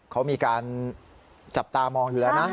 เขามีการจับตามองอยู่แล้วนะ